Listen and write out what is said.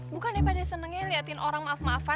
bukannya pada senangnya liatin orang maaf maafnya ya